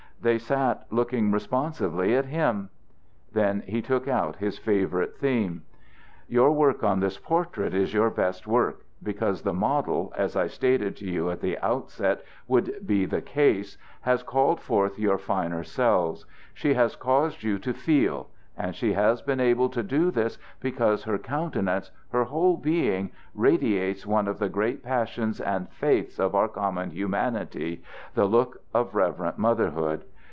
They sat looking responsively at him. Then he took up his favorite theme: "Your work on this portrait is your best work, because the model, as I stated to you at the outset would be the case, has called forth your finer selves; she has caused you to feel. And she has been able to do this because her countenance, her whole being, radiates one of the great passions and faiths of our common humanity the look of reverent motherhood.